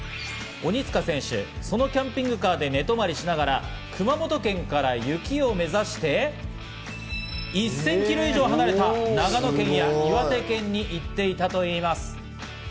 鬼塚選手、そのキャンピングカーで寝泊まりしながら熊本県から雪を目指して、１０００ｋｍ以上離れた長野県や岩手県に行っていたといいます。